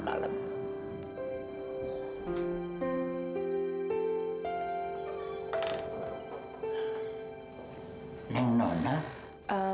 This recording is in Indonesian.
ya lagi yang pengen norte